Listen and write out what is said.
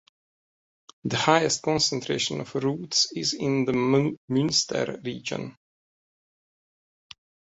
The highest concentration of routes is in the Munster region.